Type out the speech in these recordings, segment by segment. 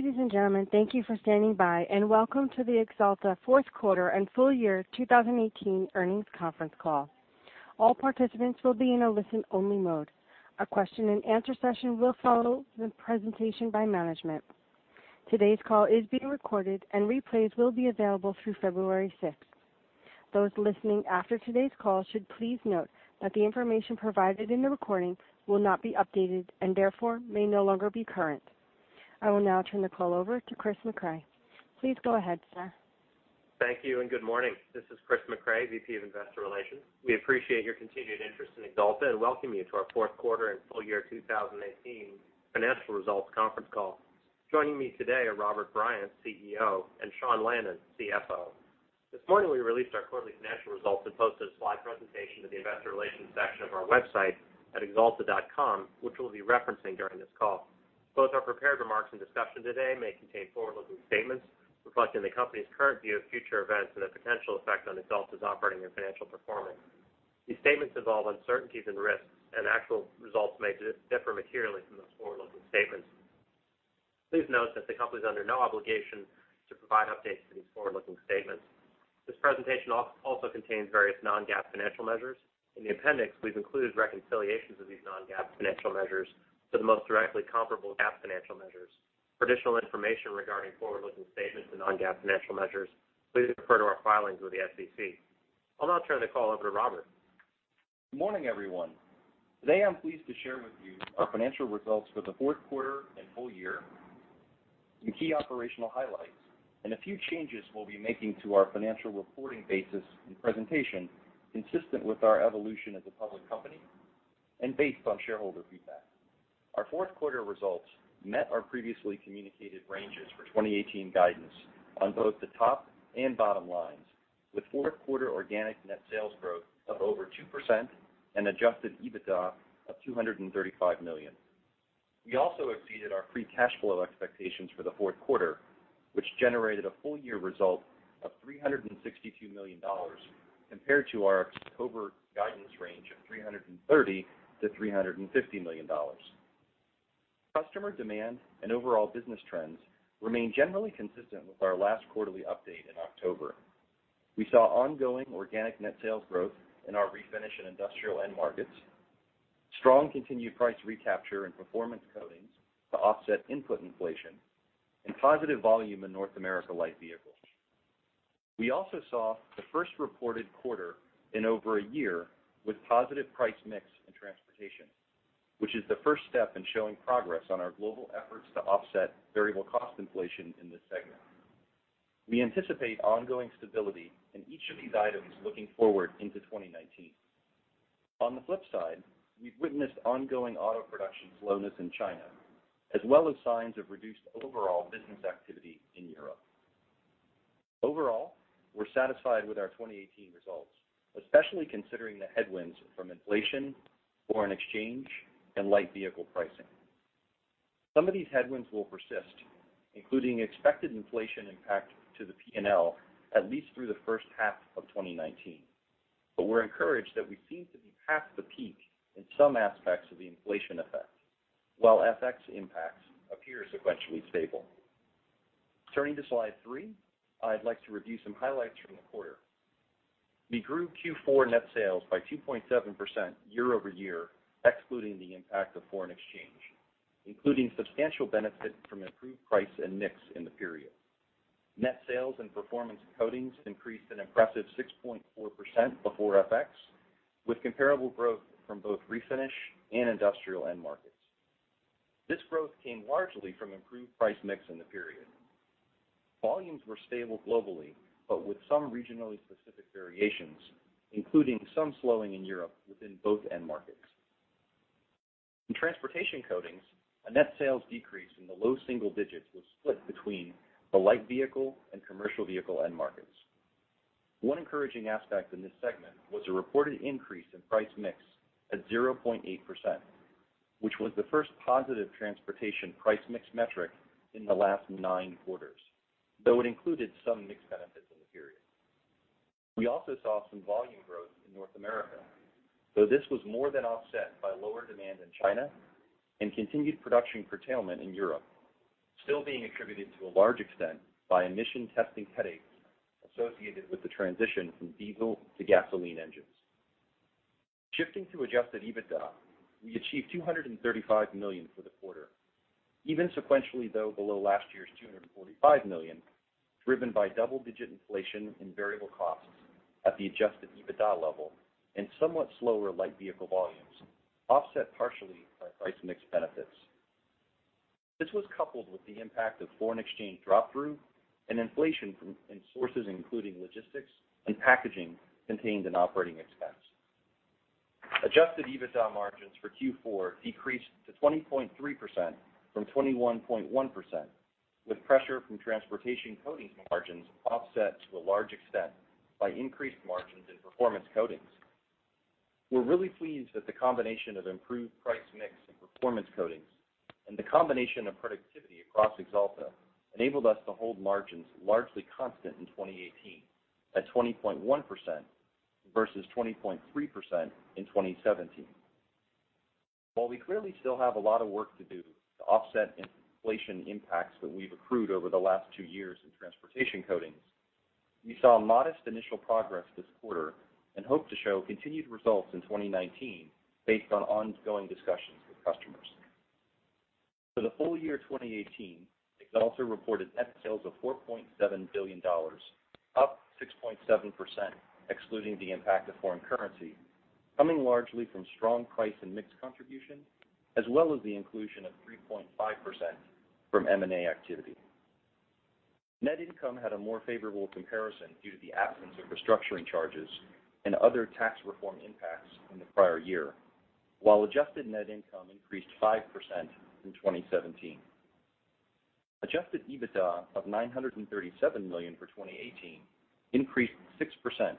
Ladies and gentlemen, thank you for standing by, and welcome to the Axalta Fourth Quarter and Full Year 2018 Earnings Conference Call. All participants will be in a listen-only mode. A question and answer session will follow the presentation by management. Today's call is being recorded, and replays will be available through February sixth. Those listening after today's call should please note that the information provided in the recording will not be updated, and therefore, may no longer be current. I will now turn the call over to Chris Mecray. Please go ahead, sir. Thank you. Good morning. This is Chris Mecray, VP of Investor Relations. We appreciate your continued interest in Axalta, and welcome you to our fourth quarter and full year 2018 financial results conference call. Joining me today are Robert Bryant, CEO, and Sean Lannon, CFO. This morning, we released our quarterly financial results and posted a slide presentation to the investor relations section of our website at axalta.com, which we'll be referencing during this call. Both our prepared remarks and discussion today may contain forward-looking statements reflecting the company's current view of future events and the potential effect on Axalta's operating and financial performance. These statements involve uncertainties and risks, and actual results may differ materially from those forward-looking statements. Please note that the company is under no obligation to provide updates to these forward-looking statements. This presentation also contains various non-GAAP financial measures. In the appendix, we've included reconciliations of these non-GAAP financial measures to the most directly comparable GAAP financial measures. For additional information regarding forward-looking statements to non-GAAP financial measures, please refer to our filings with the SEC. I'll now turn the call over to Robert. Good morning, everyone. Today, I'm pleased to share with you our financial results for the fourth quarter and full year, some key operational highlights, and a few changes we'll be making to our financial reporting basis and presentation consistent with our evolution as a public company and based on shareholder feedback. Our fourth quarter results met our previously communicated ranges for 2018 guidance on both the top and bottom lines, with fourth quarter organic net sales growth of over 2% and adjusted EBITDA of $235 million. We also exceeded our free cash flow expectations for the fourth quarter, which generated a full-year result of $362 million compared to our October guidance range of $330 million-$350 million. Customer demand and overall business trends remain generally consistent with our last quarterly update in October. We saw ongoing organic net sales growth in our Refinish and Industrial end markets, strong continued price recapture in Performance Coatings to offset input inflation, and positive volume in North America Light Vehicle. We also saw the first reported quarter in over a year with positive price mix in Transportation, which is the first step in showing progress on our global efforts to offset variable cost inflation in this segment. We anticipate ongoing stability in each of these items looking forward into 2019. On the flip side, we've witnessed ongoing auto production slowness in China, as well as signs of reduced overall business activity in Europe. Overall, we're satisfied with our 2018 results, especially considering the headwinds from inflation, foreign exchange, and Light Vehicle pricing. Some of these headwinds will persist, including expected inflation impact to the P&L at least through the first half of 2019. We're encouraged that we seem to be past the peak in some aspects of the inflation effect, while FX impacts appear sequentially stable. Turning to slide three, I'd like to review some highlights from the quarter. We grew Q4 net sales by 2.7% year-over-year, excluding the impact of foreign exchange, including substantial benefit from improved price and mix in the period. Net sales in Performance Coatings increased an impressive 6.4% before FX, with comparable growth from both Refinish and Industrial end markets. This growth came largely from improved price mix in the period. Volumes were stable globally, but with some regionally specific variations, including some slowing in Europe within both end markets. In Transportation Coatings, a net sales decrease in the low single digits was split between the Light Vehicle and Commercial Vehicle end markets. One encouraging aspect in this segment was a reported increase in price mix at 0.8%, which was the first positive Transportation price mix metric in the last nine quarters. Though it included some mix benefits in the period. We also saw some volume growth in North America, though this was more than offset by lower demand in China and continued production curtailment in Europe, still being attributed to a large extent by emission testing headaches associated with the transition from diesel to gasoline engines. Shifting to adjusted EBITDA, we achieved $235 million for the quarter. Even sequentially, though below last year's $245 million, driven by double-digit inflation in variable costs at the adjusted EBITDA level and somewhat slower Light Vehicle volumes, offset partially by price mix benefits. This was coupled with the impact of foreign exchange drop through and inflation from sources including logistics and packaging contained in operating expense. Adjusted EBITDA margins for Q4 decreased to 20.3% from 21.1%, with pressure from Transportation Coatings margins offset to a large extent by increased margins in Performance Coatings. We're really pleased that the combination of improved price mix in Performance Coatings and the combination of productivity across Axalta enabled us to hold margins largely constant in 2018 at 20.1% versus 20.3% in 2017. While we clearly still have a lot of work to do to offset inflation impacts that we've accrued over the last two years in Transportation Coatings, we saw modest initial progress this quarter and hope to show continued results in 2019 based on ongoing discussions with customers. For the full year 2018, Axalta reported net sales of $4.7 billion, up 6.7%, excluding the impact of foreign currency, coming largely from strong price and mix contribution, as well as the inclusion of 3.5% from M&A activity. Net income had a more favorable comparison due to the absence of restructuring charges and other tax reform impacts in the prior year. While adjusted net income increased 5% in 2017. Adjusted EBITDA of $937 million for 2018 increased 6%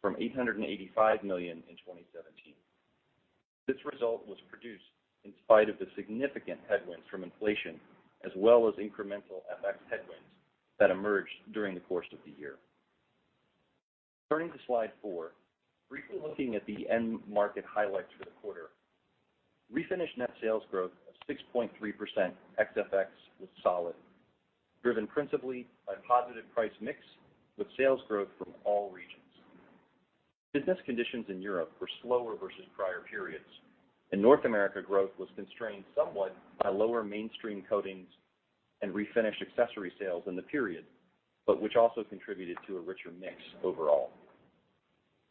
from $885 million in 2017. This result was produced in spite of the significant headwinds from inflation, as well as incremental FX headwinds that emerged during the course of the year. Turning to slide four, briefly looking at the end market highlights for the quarter. Refinish net sales growth of 6.3% ex FX was solid, driven principally by positive price mix with sales growth from all regions. Business conditions in Europe were slower versus prior periods, and North America growth was constrained somewhat by lower mainstream coatings and refinish accessory sales in the period, but which also contributed to a richer mix overall.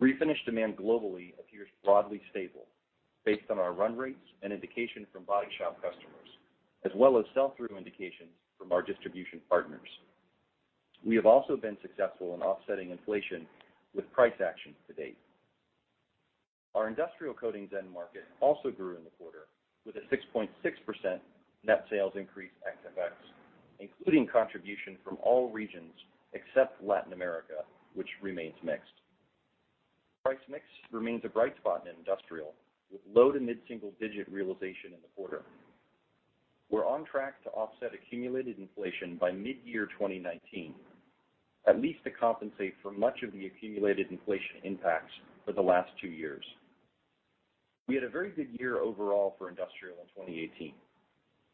Refinish demand globally appears broadly stable based on our run rates and indication from body shop customers, as well as sell-through indications from our distribution partners. We have also been successful in offsetting inflation with price actions to date. Our Industrial Coatings end market also grew in the quarter with a 6.6% net sales increase ex FX, including contribution from all regions except Latin America, which remains mixed. Price mix remains a bright spot in Industrial, with low to mid-single digit realization in the quarter. We're on track to offset accumulated inflation by mid-year 2019, at least to compensate for much of the accumulated inflation impacts for the last two years. We had a very good year overall for Industrial in 2018.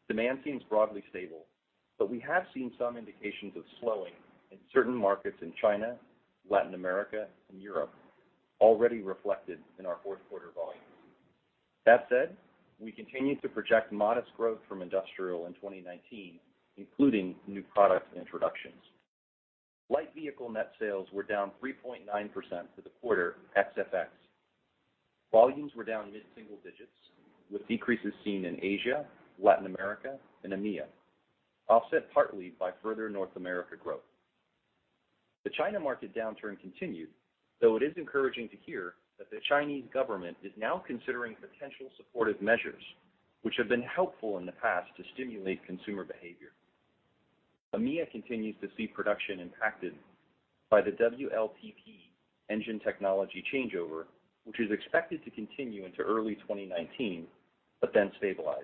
Demand seems broadly stable, but we have seen some indications of slowing in certain markets in China, Latin America, and Europe already reflected in our fourth quarter volumes. That said, we continue to project modest growth from Industrial in 2019, including new product introductions. Light Vehicle net sales were down 3.9% for the quarter ex FX. Volumes were down mid-single digits, with decreases seen in Asia, Latin America, and EMEA, offset partly by further North America growth. The China market downturn continued, though it is encouraging to hear that the Chinese government is now considering potential supportive measures, which have been helpful in the past to stimulate consumer behavior. EMEA continues to see production impacted by the WLTP engine technology changeover, which is expected to continue into early 2019, but then stabilize.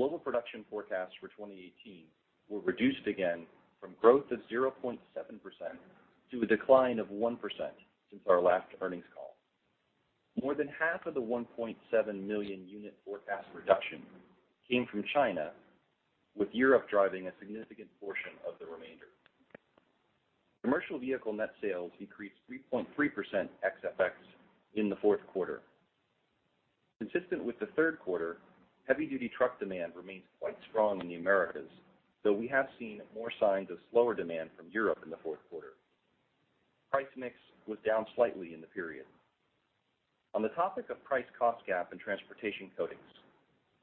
Global production forecasts for 2018 were reduced again from growth of 0.7% to a decline of 1% since our last earnings call. More than half of the 1.7 million unit forecast reduction came from China, with Europe driving a significant portion of the remainder. Commercial Vehicle net sales decreased 3.3% ex FX in the fourth quarter. Consistent with the third quarter, heavy-duty truck demand remains quite strong in the Americas, though we have seen more signs of slower demand from Europe in the fourth quarter. Price mix was down slightly in the period. On the topic of price cost gap in Transportation Coatings,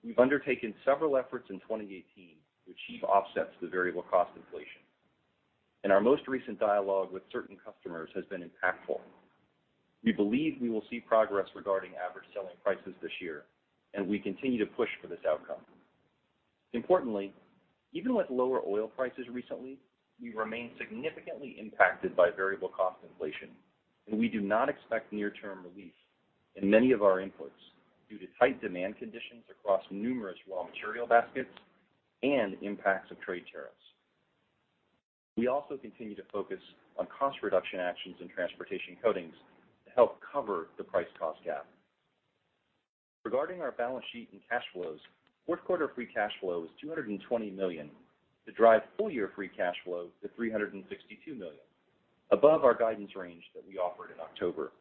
we've undertaken several efforts in 2018 to achieve offsets to the variable cost inflation. Our most recent dialogue with certain customers has been impactful. We believe we will see progress regarding average selling prices this year. We continue to push for this outcome. Importantly, even with lower oil prices recently, we remain significantly impacted by variable cost inflation. We do not expect near-term relief in many of our inputs due to tight demand conditions across numerous raw material baskets and impacts of trade tariffs. We also continue to focus on cost reduction actions in Transportation Coatings to help cover the price cost gap. Regarding our balance sheet and cash flows, fourth quarter free cash flow was $220 million to drive full-year free cash flow to $362 million, above our guidance range that we offered in October.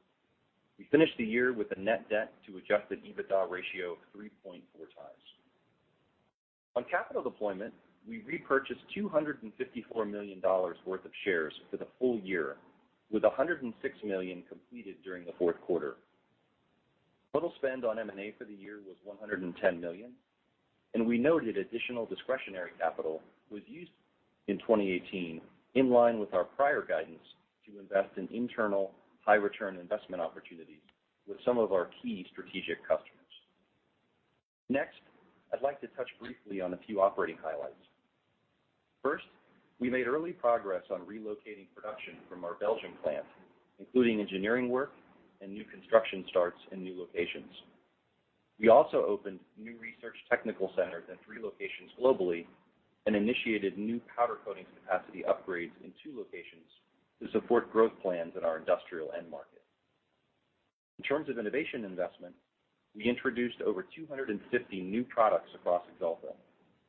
We finished the year with a net debt to adjusted EBITDA ratio of 3.4x. On capital deployment, we repurchased $254 million worth of shares for the full year, with $106 million completed during the fourth quarter. Total spend on M&A for the year was $110 million, and we noted additional discretionary capital was used in 2018, in line with our prior guidance to invest in internal high-return investment opportunities with some of our key strategic customers. Next, I'd like to touch briefly on a few operating highlights. First, we made early progress on relocating production from our Belgium plant, including engineering work and new construction starts in new locations. We also opened new research technical centers in three locations globally and initiated new Powder Coatings capacity upgrades in two locations to support growth plans in our Industrial end market. In terms of innovation investment, we introduced over 250 new products across Axalta,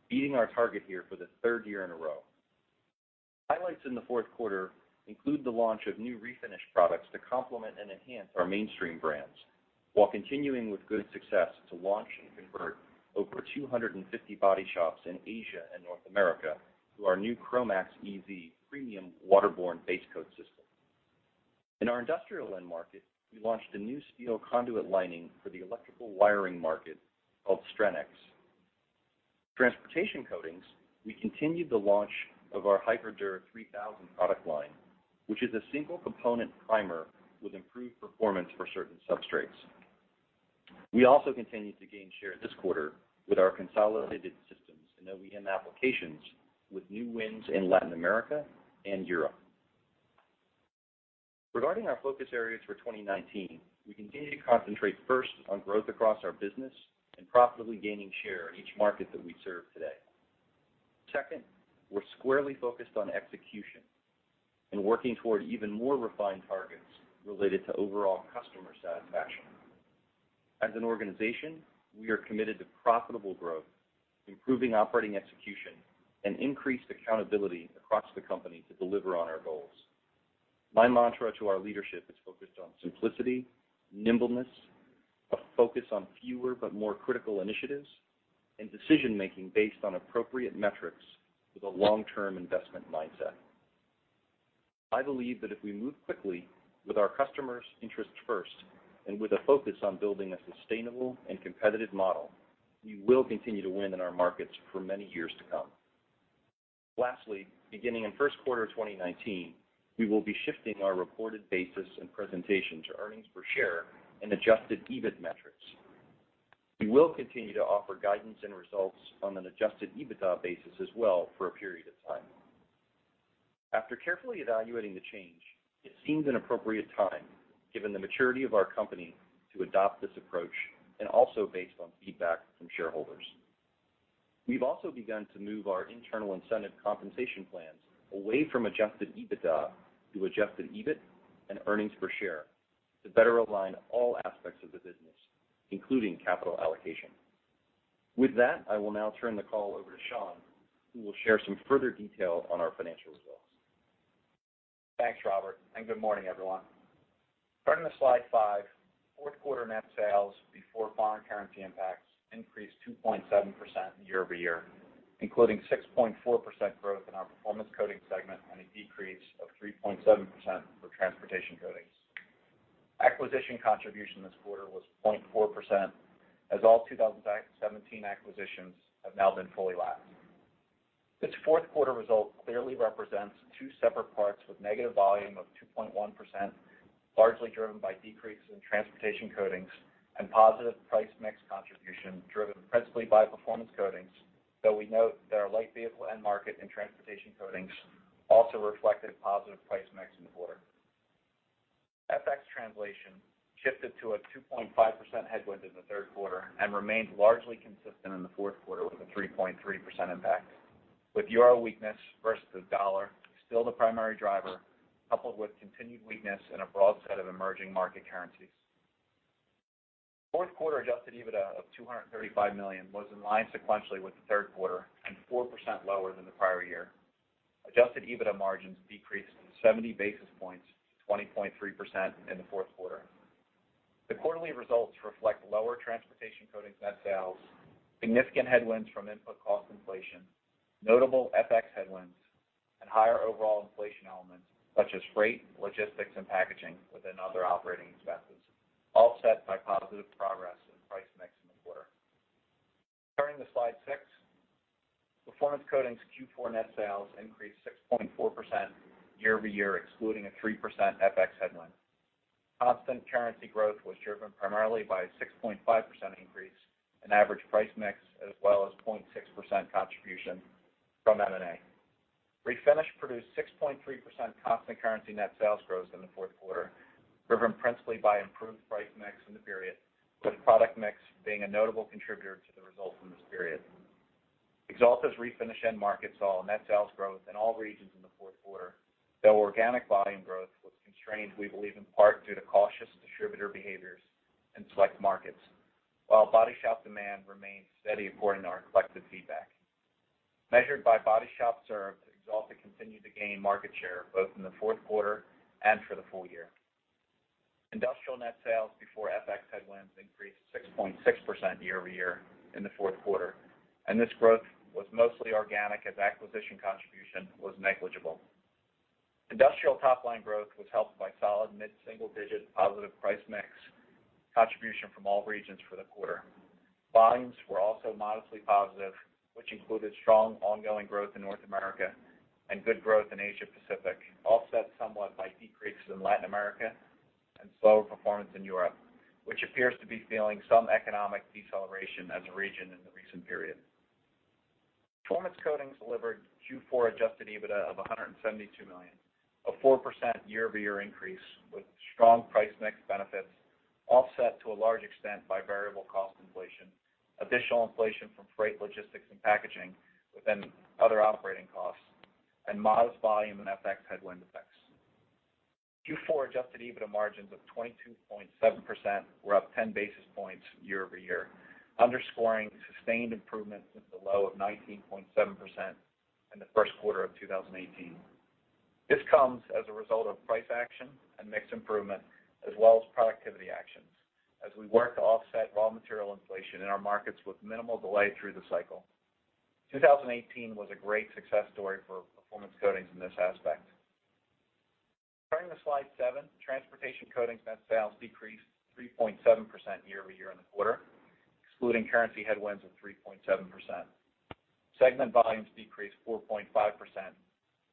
beating our target here for the third year in a row. Highlights in the fourth quarter include the launch of new Refinish products to complement and enhance our mainstream brands, while continuing with good success to launch and convert over 250 body shops in Asia and North America to our new Cromax EZ premium waterborne base coat system. In our Industrial end market, we launched a new steel conduit lining for the electrical wiring market called Strenex. Transportation Coatings, we continued the launch of our HyperDur 3000 product line, which is a single component primer with improved performance for certain substrates. We also continued to gain share this quarter with our consolidated systems and OEM applications, with new wins in Latin America and Europe. Regarding our focus areas for 2019, we continue to concentrate first on growth across our business and profitably gaining share in each market that we serve today. Second, we're squarely focused on execution and working toward even more refined targets related to overall customer satisfaction. As an organization, we are committed to profitable growth, improving operating execution, and increased accountability across the company to deliver on our goals. My mantra to our leadership is focused on simplicity, nimbleness, a focus on fewer but more critical initiatives, and decision-making based on appropriate metrics with a long-term investment mindset. I believe that if we move quickly with our customers' interests first, and with a focus on building a sustainable and competitive model, we will continue to win in our markets for many years to come. Lastly, beginning in the first quarter of 2019, we will be shifting our reported basis and presentation to earnings per share and adjusted EBIT metrics. We will continue to offer guidance and results on an adjusted EBITDA basis as well for a period of time. After carefully evaluating the change, it seems an appropriate time, given the maturity of our company, to adopt this approach, and also based on feedback from shareholders. We've also begun to move our internal incentive compensation plans away from adjusted EBITDA to adjusted EBIT and earnings per share to better align all aspects of the business, including capital allocation. With that, I will now turn the call over to Sean, who will share some further detail on our financial results. Thanks, Robert, and good morning, everyone. Starting with slide five, fourth quarter net sales before foreign currency impacts increased 2.7% year-over-year, including 6.4% growth in our Performance Coatings segment and a decrease of 3.7% for Transportation Coatings. Acquisition contribution this quarter was 0.4%, as all 2017 acquisitions have now been fully lapped. This fourth quarter result clearly represents two separate parts, with negative volume of 2.1%, largely driven by decreases in Transportation Coatings and positive price mix contribution driven principally by Performance Coatings. We note that our Light Vehicle end market in Transportation Coatings also reflected positive price mix in the quarter. FX translation shifted to a 2.5% headwind in the third quarter and remained largely consistent in the fourth quarter, with a 3.3% impact, with euro weakness versus the dollar still the primary driver, coupled with continued weakness in a broad set of emerging market currencies. Fourth quarter adjusted EBITDA of $235 million was in line sequentially with the third quarter and 4% lower than the prior year. Adjusted EBITDA margins decreased 70 basis points, 20.3% in the fourth quarter. The quarterly results reflect lower Transportation Coatings net sales, significant headwinds from input cost inflation, notable FX headwinds, and higher overall inflation elements such as freight, logistics, and packaging within other operating expenses, offset by positive progress in price mix in the quarter. Starting with slide six. Performance Coatings Q4 net sales increased 6.4% year-over-year, excluding a 3% FX headwind. Constant currency growth was driven primarily by a 6.5% increase in average price mix, as well as 0.6% contribution from M&A. Refinish produced 6.3% constant currency net sales growth in the fourth quarter, driven principally by improved price mix in the period, with product mix being a notable contributor to the results in this period. Axalta's Refinish end markets saw net sales growth in all regions in the fourth quarter. Organic volume growth was constrained, we believe in part due to cautious distributor behaviors in select markets, while body shop demand remained steady according to our collective feedback. Measured by body shop served, Axalta continued to gain market share both in the fourth quarter and for the full year. Industrial net sales before FX headwinds increased 6.6% year-over-year in the fourth quarter. This growth was mostly organic as acquisition contribution was negligible. Industrial top line growth was helped by solid mid-single digit positive price mix contribution from all regions for the quarter. Volumes were also modestly positive, which included strong ongoing growth in North America and good growth in Asia Pacific, offset somewhat by decreases in Latin America and slower performance in Europe, which appears to be feeling some economic deceleration as a region in the recent period. Performance Coatings delivered Q4 adjusted EBITDA of $172 million, a 4% year-over-year increase with strong price mix benefits offset to a large extent by variable cost inflation, additional inflation from freight logistics and packaging within other operating costs, and modest volume and FX headwind effects. Q4 adjusted EBITDA margins of 22.7% were up 10 basis points year-over-year, underscoring sustained improvements with the low of 19.7% in the first quarter of 2018. This comes as a result of price action and mix improvement, as well as productivity actions as we work to offset raw material inflation in our markets with minimal delay through the cycle. 2018 was a great success story for Performance Coatings in this aspect. Turning to slide seven, Transportation Coatings net sales decreased 3.7% year-over-year in the quarter, excluding currency headwinds of 3.7%. Segment volumes decreased 4.5%,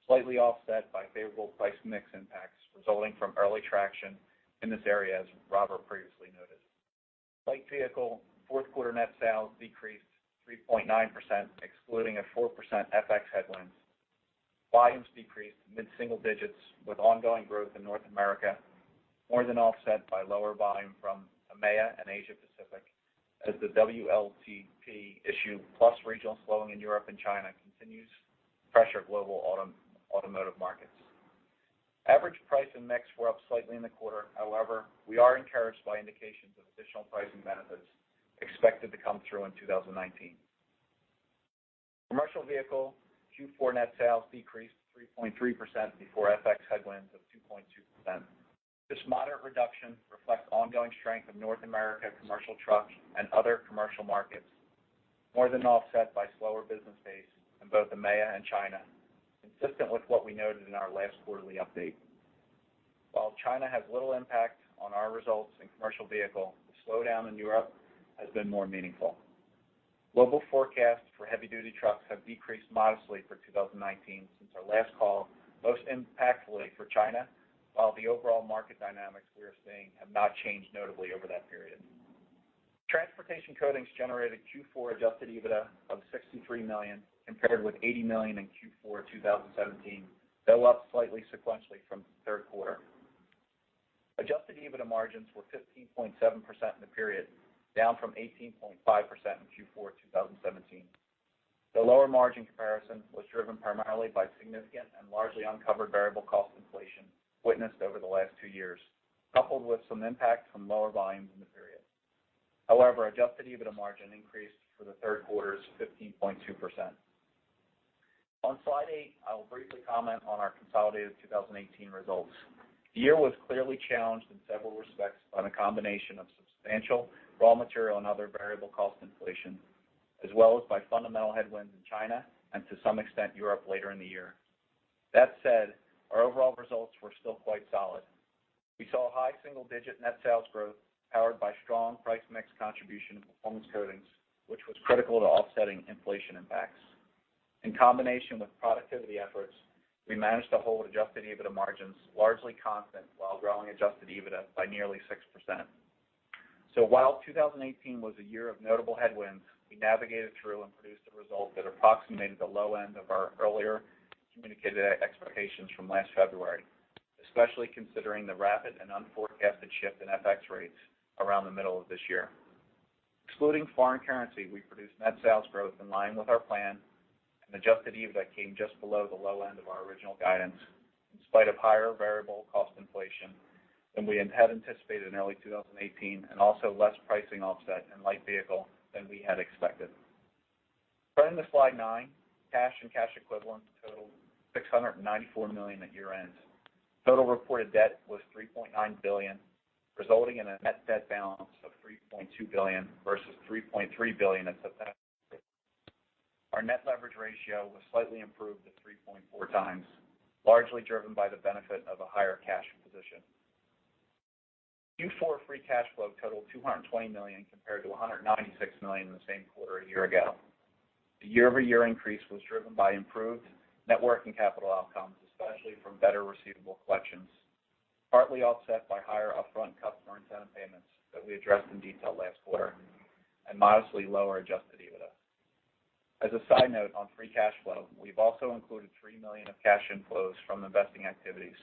slightly offset by favorable price mix impacts resulting from early traction in this area, as Robert previously noted. Light Vehicle fourth quarter net sales decreased 3.9%, excluding a 4% FX headwind. Volumes decreased mid-single digits with ongoing growth in North America, more than offset by lower volume from EMEA and Asia Pacific as the WLTP issue, plus regional slowing in Europe and China continues to pressure global automotive markets. Average price and mix were up slightly in the quarter. However, we are encouraged by indications of additional pricing benefits expected to come through in 2019. Commercial Vehicle Q4 net sales decreased 3.3% before FX headwinds of 2.2%. This moderate reduction reflects the ongoing strength of North America commercial trucks and other commercial markets, more than offset by slower business pace in both EMEA and China, consistent with what we noted in our last quarterly update. While China has little impact on our results in Commercial Vehicle, the slowdown in Europe has been more meaningful. Global forecasts for heavy-duty trucks have decreased modestly for 2019 since our last call, most impactfully for China, while the overall market dynamics we are seeing have not changed notably over that period. Transportation Coatings generated Q4 Adjusted EBITDA of $63 million compared with $80 million in Q4 2017, though up slightly sequentially from the third quarter. Adjusted EBITDA margins were 15.7% in the period, down from 18.5% in Q4 2017. The lower margin comparison was driven primarily by significant and largely uncovered variable cost inflation witnessed over the last two years, coupled with some impact from lower volumes in the period. However, adjusted EBITDA margin increased for the third quarter's 15.2%. On slide eight, I will briefly comment on our consolidated 2018 results. The year was clearly challenged in several respects on a combination of substantial raw material and other variable cost inflation, as well as by fundamental headwinds in China and to some extent, Europe later in the year. That said, our overall results were still quite solid. We saw high single-digit net sales growth powered by strong price mix contribution in Performance Coatings, which was critical to offsetting inflation impacts. In combination with productivity efforts, we managed to hold adjusted EBITDA margins largely constant while growing adjusted EBITDA by nearly 6%. While 2018 was a year of notable headwinds, we navigated through and produced a result that approximated the low end of our earlier communicated expectations from last February, especially considering the rapid and unforecasted shift in FX rates around the middle of this year. Excluding foreign currency, we produced net sales growth in line with our plan, and adjusted EBITDA came just below the low end of our original guidance, in spite of higher variable cost inflation than we had anticipated in early 2018, and also less pricing offset in Light Vehicle than we had expected. Turning to slide nine, cash and cash equivalents totaled $694 million at year-end. Total reported debt was $3.9 billion, resulting in a net debt balance of $3.2 billion versus $3.3 billion at September. Our net leverage ratio was slightly improved to 3.4x, largely driven by the benefit of a higher cash position. Q4 free cash flow totaled $220 million compared to $196 million in the same quarter a year ago. The year-over-year increase was driven by improved net working capital outcomes, especially from better receivable collections, partly offset by higher upfront customer incentive payments that we addressed in detail last quarter, and modestly lower adjusted EBITDA. As a side note on free cash flow, we have also included $3 million of cash inflows from investing activities,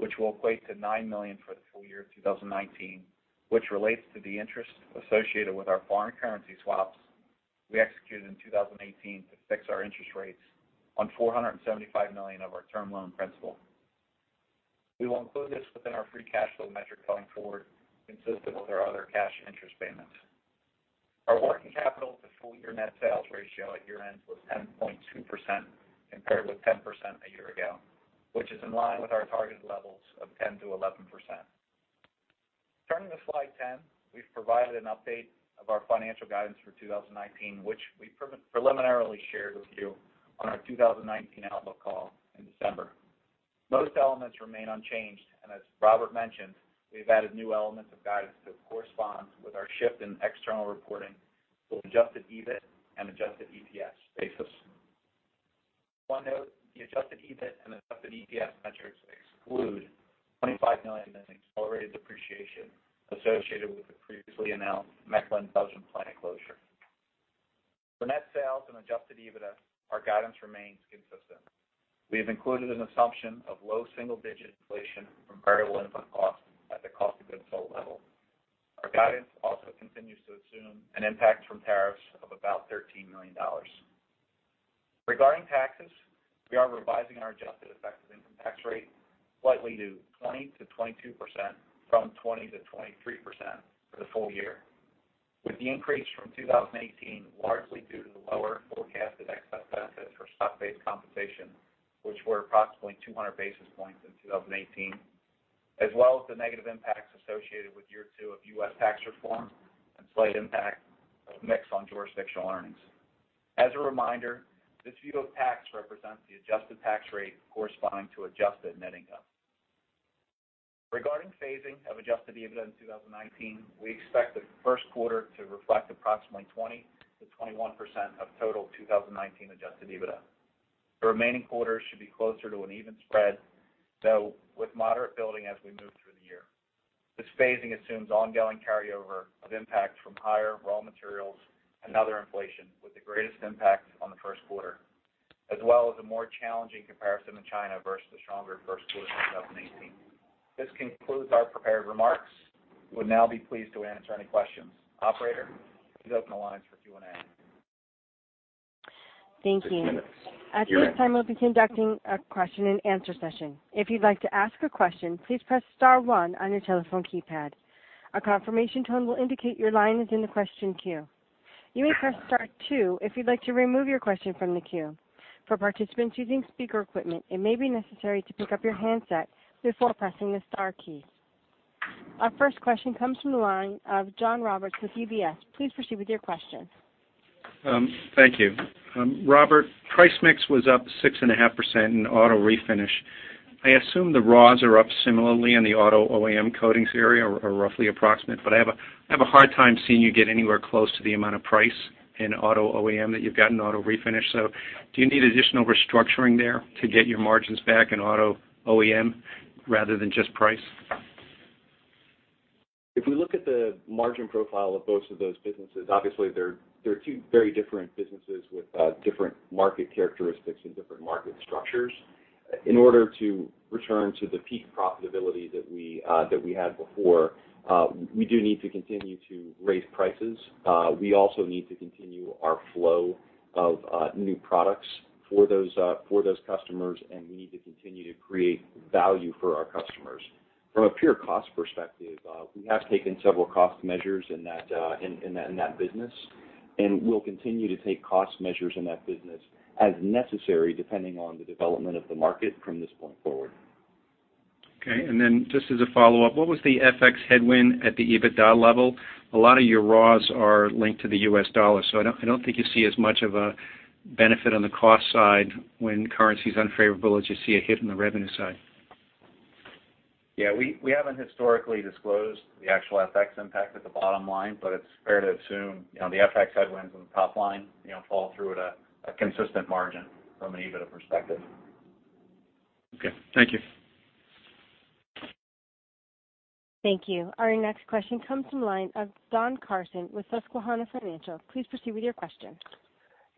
which will equate to $9 million for the full year of 2019, which relates to the interest associated with our foreign currency swaps we executed in 2018 to fix our interest rates on $475 million of our term loan principal. We will include this within our free cash flow metric going forward, consistent with our other cash interest payments. Our working capital to full-year net sales ratio at year end was 10.2%, compared with 10% a year ago, which is in line with our targeted levels of 10%-11%. Turning to slide 10, we have provided an update of our financial guidance for 2019, which we preliminarily shared with you on our 2019 outlook call in December. Most elements remain unchanged, and as Robert mentioned, we have added new elements of guidance to correspond with our shift in external reporting to an adjusted EBIT and adjusted EPS basis. One note, the adjusted EBIT and adjusted EPS metrics exclude $25 million in accelerated depreciation associated with the previously announced Mechelen, Belgium plant closure. For net sales and adjusted EBITDA, our guidance remains consistent. We have included an assumption of low single-digit inflation from variable input costs at the cost of goods sold level. Our guidance also continues to assume an impact from tariffs of about $13 million. Regarding taxes, we are revising our adjusted effective income tax rate slightly to 20%-22%, from 20%-23% for the full year, with the increase from 2018 largely due to the lower forecasted excess benefits for stock-based compensation, which were approximately 200 basis points in 2018, as well as the negative impacts associated with year two of U.S. tax reform and slight impact of mix on jurisdictional earnings. As a reminder, this view of tax represents the adjusted tax rate corresponding to adjusted net income. Regarding phasing of adjusted EBITDA in 2019, we expect the first quarter to reflect approximately 20%-21% of total 2019 adjusted EBITDA. The remaining quarters should be closer to an even spread, though with moderate building as we move through the year. This phasing assumes ongoing carryover of impacts from higher raw materials and other inflation, with the greatest impact on the first quarter, as well as a more challenging comparison in China versus the stronger first quarter in 2018. This concludes our prepared remarks. We will now be pleased to answer any questions. Operator, please open the lines for Q&A. Thank you. Six minutes. At this time, we will be conducting a question and answer session. If you would like to ask a question, please press star one on your telephone keypad. A confirmation tone will indicate your line is in the question queue. You may press star two if you would like to remove your question from the queue. For participants using speaker equipment, it may be necessary to pick up your handset before pressing the star key. Our first question comes from the line of John Roberts with UBS. Please proceed with your question. Thank you. Robert, price mix was up 6.5% in auto Refinish. I assume the raws are up similarly in the auto OEM coatings area, or roughly approximate. I have a hard time seeing you get anywhere close to the amount of price in auto OEM that you've got in auto Refinish. Do you need additional restructuring there to get your margins back in auto OEM rather than just price? If we look at the margin profile of both of those businesses, obviously they're two very different businesses with different market characteristics and different market structures. In order to return to the peak profitability that we had before, we do need to continue to raise prices. We also need to continue our flow of new products for those customers, we need to continue to create value for our customers. From a pure cost perspective, we have taken several cost measures in that business, we'll continue to take cost measures in that business as necessary, depending on the development of the market from this point forward. Okay, just as a follow-up, what was the FX headwind at the EBITDA level? A lot of your raws are linked to the U.S. dollar, I don't think you see as much of a benefit on the cost side when currency's unfavorable as you see a hit on the revenue side. Yeah. We haven't historically disclosed the actual FX impact at the bottom line, it's fair to assume the FX headwinds on the top line fall through at a consistent margin from an EBITDA perspective. Okay. Thank you. Thank you. Our next question comes from line of Don Carson with Susquehanna Financial. Please proceed with your question.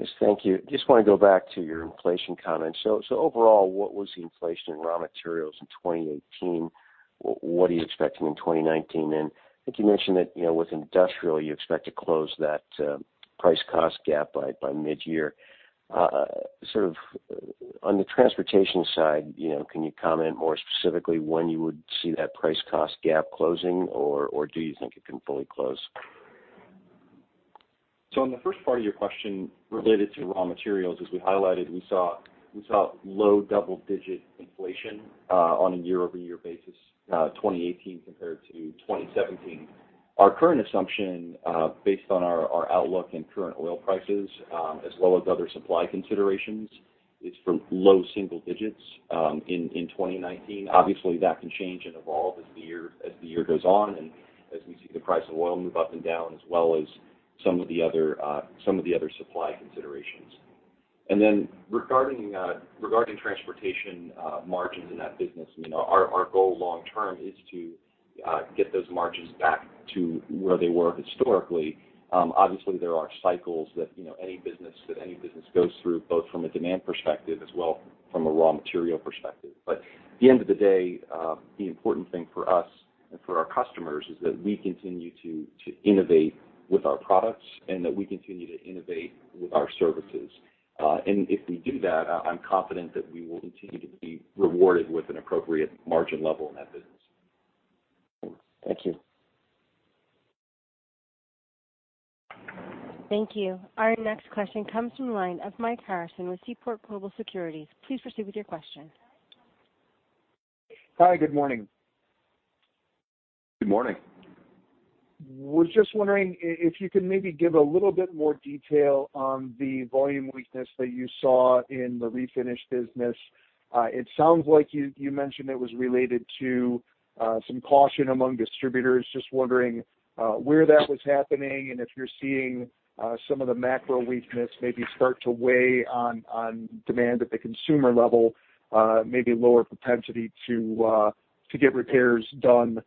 Yes. Thank you. Just want to go back to your inflation comments. Overall, what was the inflation in raw materials in 2018? What are you expecting in 2019? I think you mentioned that with Industrial, you expect to close that price cost gap by mid-year. On the Transportation side, can you comment more specifically when you would see that price cost gap closing, or do you think it can fully close? On the first part of your question related to raw materials, as we highlighted, we saw low double-digit inflation on a year-over-year basis, 2018 compared to 2017. Our current assumption, based on our outlook and current oil prices, as well as other supply considerations, is for low single digits in 2019. Obviously, that can change and evolve as the year goes on, as we see the price of oil move up and down, as well as some of the other supply considerations. Regarding Transportation margins in that business, our goal long term is to get those margins back to where they were historically. Obviously, there are cycles that any business goes through, both from a demand perspective as well from a raw material perspective. At the end of the day, the important thing for us and for our customers is that we continue to innovate with our products and that we continue to innovate with our services. If we do that, I'm confident that we will continue to be rewarded with an appropriate margin level in that business. Thank you. Thank you. Our next question comes from the line of Mike Harrison with Seaport Global Securities. Please proceed with your question. Hi. Good morning. Good morning. Was just wondering if you could maybe give a little bit more detail on the volume weakness that you saw in the Refinish business. It sounds like you mentioned it was related to some caution among distributors. Just wondering where that was happening, and if you're seeing some of the macro weakness maybe start to weigh on demand at the consumer level, maybe lower propensity to get repairs done,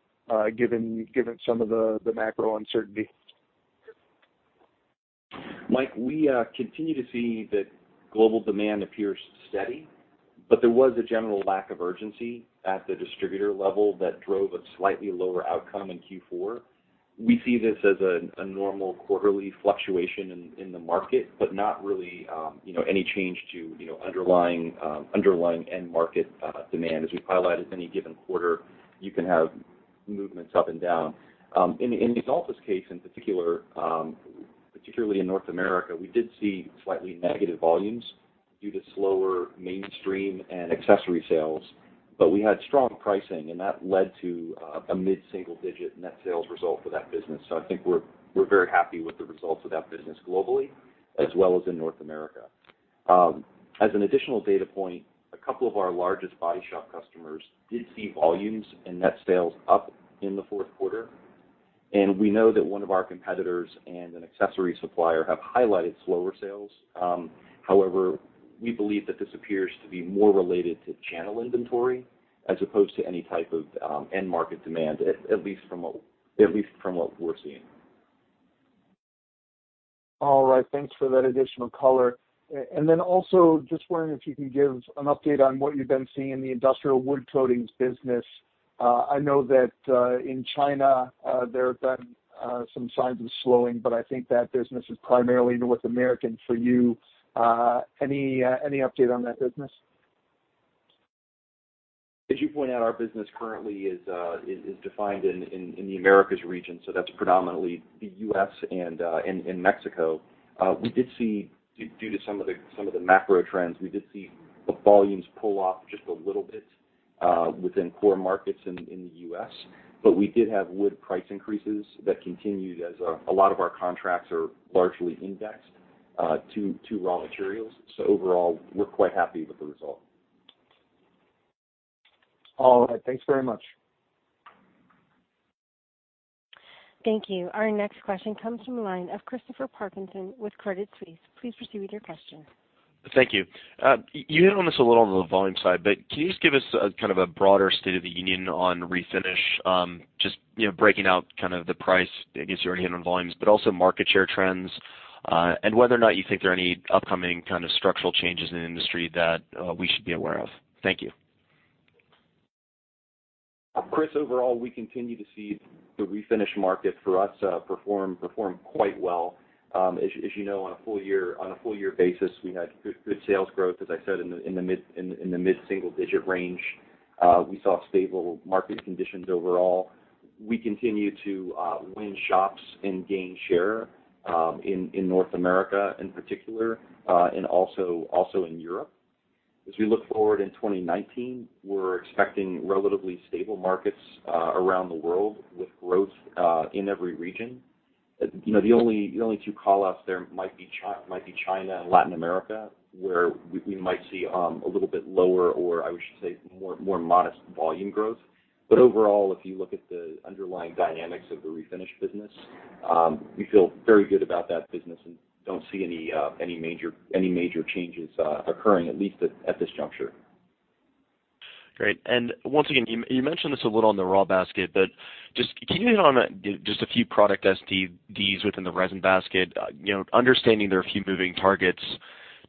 given some of the macro uncertainty. Mike, we continue to see that global demand appears steady. There was a general lack of urgency at the distributor level that drove a slightly lower outcome in Q4. We see this as a normal quarterly fluctuation in the market, not really any change to underlying end market demand. As we've highlighted, any given quarter, you can have movements up and down. In the solvents case, in particular in North America, we did see slightly negative volumes due to slower mainstream and accessory sales. We had strong pricing, and that led to a mid-single-digit net sales result for that business. I think we're very happy with the results of that business globally, as well as in North America. As an additional data point, a couple of our largest body shop customers did see volumes and net sales up in the fourth quarter. We know that one of our competitors and an accessory supplier have highlighted slower sales. However, we believe that this appears to be more related to channel inventory as opposed to any type of end-market demand, at least from what we're seeing. Thanks for that additional color. Just wondering if you can give an update on what you've been seeing in the industrial wood coatings business. I know that in China, there have been some signs of slowing, but I think that business is primarily North American for you. Any update on that business? As you point out, our business currently is defined in the Americas region, so that's predominantly the U.S. and Mexico. Due to some of the macro trends, we did see volumes pull off just a little bit within core markets in the U.S., but we did have wood price increases that continued as a lot of our contracts are largely indexed to raw materials. Overall, we're quite happy with the result. All right. Thanks very much. Thank you. Our next question comes from the line of Christopher Parkinson with Credit Suisse. Please proceed with your question. Thank you. You hit on this a little on the volume side, but can you just give us a broader state of the union on Refinish, just breaking out the price, I guess you already hit on volumes, but also market share trends, and whether or not you think there are any upcoming structural changes in the industry that we should be aware of. Thank you. Chris, overall, we continue to see the Refinish market for us perform quite well. As you know, on a full year basis, we had good sales growth, as I said, in the mid-single-digit range. We saw stable market conditions overall. We continue to win shops and gain share in North America in particular, and also in Europe. As we look forward in 2019, we're expecting relatively stable markets around the world with growth in every region. The only two call-outs there might be China and Latin America, where we might see a little bit lower, or I should say more modest volume growth. Overall, if you look at the underlying dynamics of the Refinish business, we feel very good about that business and don't see any major changes occurring, at least at this juncture. Great. Once again, you mentioned this a little on the raw basket, but just can you hit on that, just a few product SDS within the resin basket? Understanding there are a few moving targets,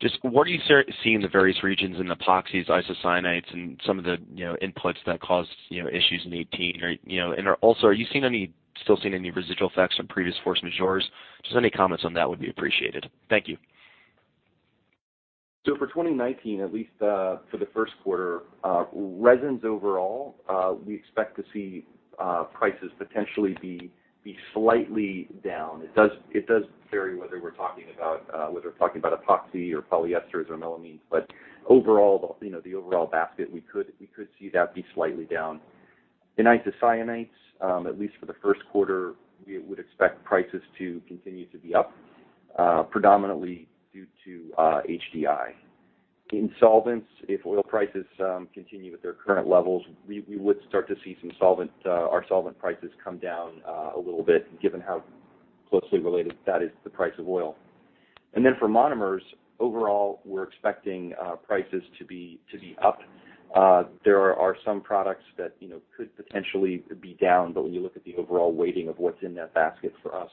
just what are you seeing in the various regions in epoxies, isocyanates, and some of the inputs that caused issues in 2018? Also, are you still seeing any residual effects from previous force majeures? Just any comments on that would be appreciated. Thank you. For 2019, at least for the first quarter, resins overall, we expect to see prices potentially be slightly down. It does vary whether we're talking about epoxy or polyesters or melamines. The overall basket, we could see that be slightly down. In isocyanates, at least for the first quarter, we would expect prices to continue to be up, predominantly due to HDI. In solvents, if oil prices continue at their current levels, we would start to see our solvent prices come down a little bit, given how closely related that is to the price of oil. Then for monomers, overall, we're expecting prices to be up. There are some products that could potentially be down, but when you look at the overall weighting of what's in that basket for us,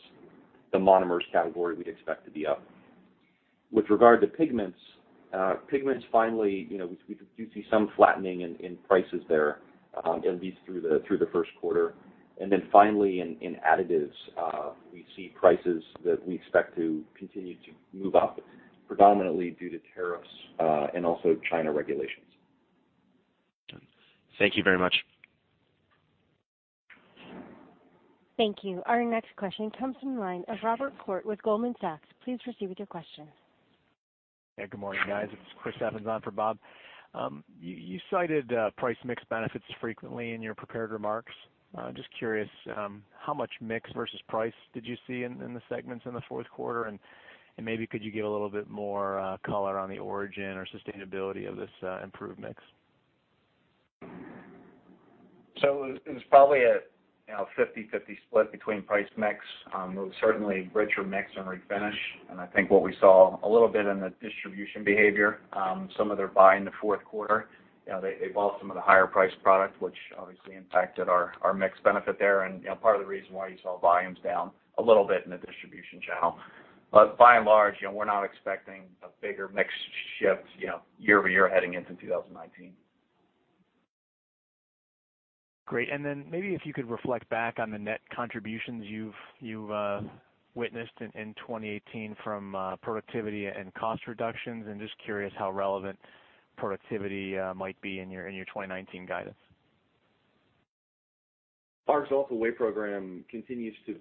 the monomers category we'd expect to be up. With regard to pigments, finally, we do see some flattening in prices there, at least through the first quarter. Finally, in additives, we see prices that we expect to continue to move up, predominantly due to tariffs, and also China regulations. Thank you very much. Thank you. Our next question comes from the line of Robert Koort with Goldman Sachs. Please proceed with your question. Good morning, guys. It's Chris stepping on for Bob. You cited price mix benefits frequently in your prepared remarks. Just curious, how much mix versus price did you see in the segments in the fourth quarter? Maybe could you give a little bit more color on the origin or sustainability of this improved mix? It was probably a 50/50 split between price mix. It was certainly richer mix in Refinish. I think what we saw a little bit in the distribution behavior, some of their buy in the fourth quarter. They bought some of the higher priced product, which obviously impacted our mix benefit there, and part of the reason why you saw volumes down a little bit in the distribution channel. By and large, we're not expecting a bigger mix shift year-over-year heading into 2019. Great. Maybe if you could reflect back on the net contributions you've witnessed in 2018 from productivity and cost reductions, and just curious how relevant productivity might be in your 2019 guidance. Our Axalta Way program continues to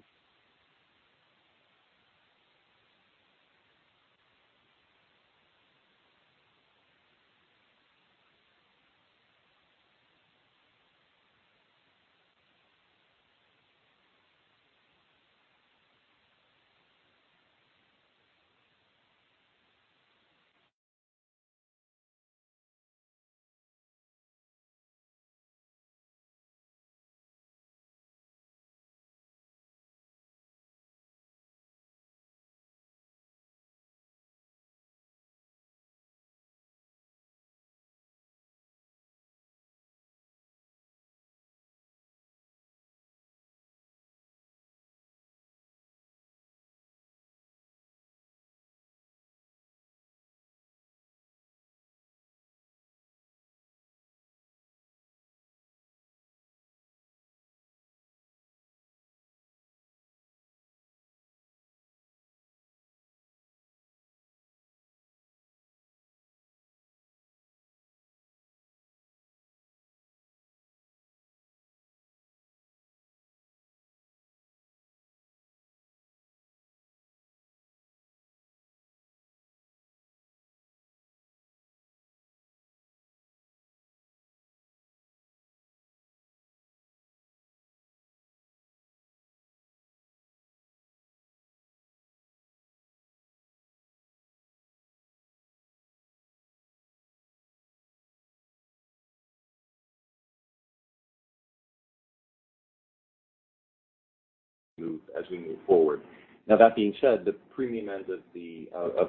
move as we move forward. That being said, the premium end of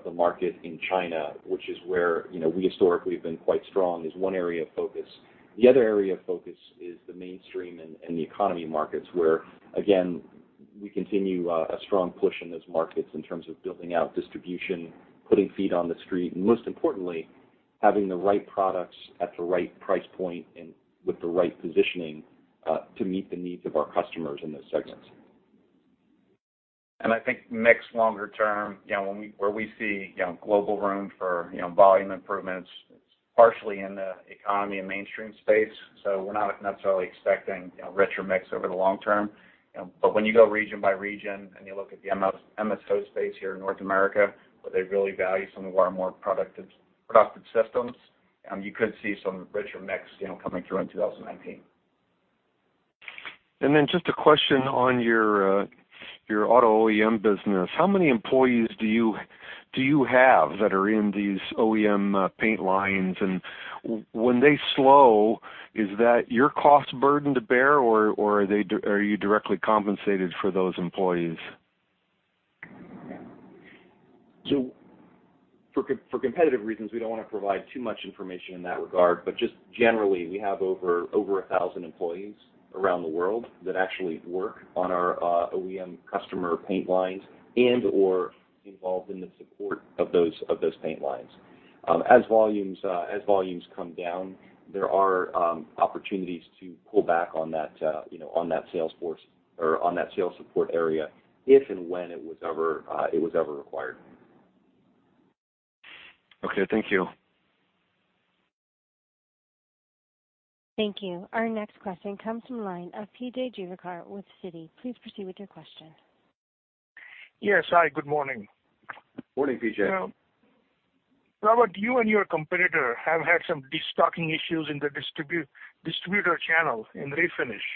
the market in China, which is where we historically have been quite strong, is one area of focus. The other area of focus is the mainstream and the economy markets, where again, we continue a strong push in those markets in terms of building out distribution, putting feet on the street, and most importantly, having the right products at the right price point and with the right positioning to meet the needs of our customers in those segments. I think mix longer term, where we see global room for volume improvements, it's partially in the economy and mainstream space. We're not necessarily expecting richer mix over the long term. When you go region by region and you look at the MSO space here in North America, where they really value some of our more producted systems, you could see some richer mix coming through in 2019. Just a question on your auto OEM business. How many employees do you have that are in these OEM paint lines? When they slow, is that your cost burden to bear, or are you directly compensated for those employees? For competitive reasons, we don't want to provide too much information in that regard. Just generally, we have over a thousand employees around the world that actually work on our OEM customer paint lines and/or involved in the support of those paint lines. Volumes come down, there are opportunities to pull back on that sales support area, if and when it was ever required. Okay. Thank you. Thank you. Our next question comes from the line of P.J. Juvekar with Citi. Please proceed with your question. Yes. Hi, good morning. Morning, P.J. Robert, you and your competitor have had some de-stocking issues in the distributor channel in Refinish.